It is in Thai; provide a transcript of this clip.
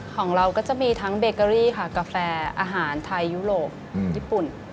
ของเราก็จะมีทั้งเบเกอรี่ค่ะกาแฟอาหารไทยยุโรปญี่ปุ่น